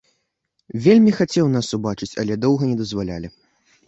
Вельмі хацеў нас убачыць, але доўга не дазвалялі.